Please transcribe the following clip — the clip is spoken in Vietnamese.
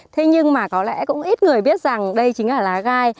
thế nhưng mà có lẽ cũng ít người biết rằng đây chính là lá gai